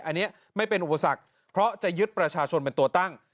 อันนี้ไม่เป็นอุปสรรคเพราะจะยึดประชาชนเป็นตัวตั้ง